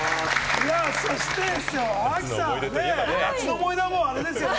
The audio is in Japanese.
そしてですよ、亜希さん、夏の思い出はもうあれですよね。